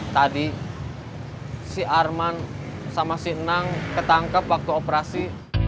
tadi si arman sama si nang ketangkep waktu operasi